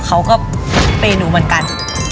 เขาก็เปย์หนูเหมือนกัน